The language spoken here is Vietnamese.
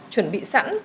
chuẩn bị sẵn